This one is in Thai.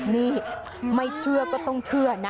นี่ไม่เชื่อก็ต้องเชื่อนะ